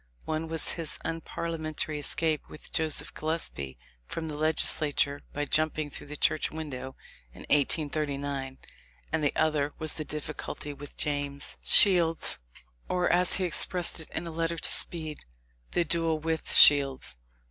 One was his unparlia mentary escape with Joseph Gillespie from the Leg islature by jumping through the church window, in 1839, and the other was the difficulty with James Shields, or, as he expressed it in a letter to Speed, the "duel with Shields."